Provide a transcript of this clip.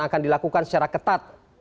akan dilakukan secara ketat